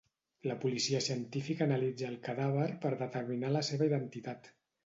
La policia científica analitza el cadàver per determinar la seva identitat.